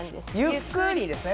ゆっくりですね？